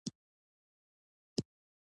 مرګ د ژوند پوښتنه ده.